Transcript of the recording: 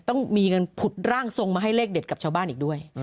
ต้องมีเงินผุดร่างทรงมาให้เลขเด็ดกับชาวบ้านอีกด้วย